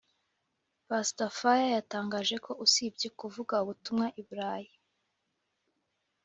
Pastor Fire yatangaje ko usibye kuvuga ubutumwa iburayi